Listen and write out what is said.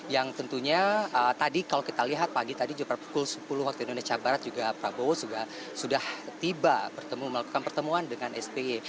yang tentunya tadi kalau kita lihat pagi tadi juga pukul sepuluh waktu indonesia barat juga prabowo sudah tiba melakukan pertemuan dengan sby